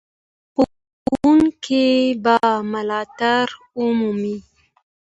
ښوونکي به ملاتړ ومومي.